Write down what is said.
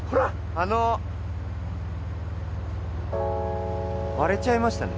あの割れちゃいましたね